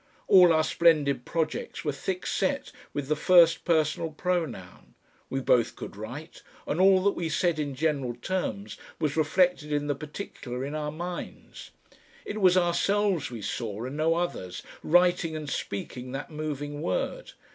All our splendid projects were thickset with the first personal pronoun. We both could write, and all that we said in general terms was reflected in the particular in our minds; it was ourselves we saw, and no others, writing and speaking that moving word.